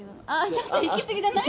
ちょっと行きすぎじゃない？